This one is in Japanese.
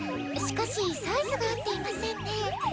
しかしサイズが合っていませんね。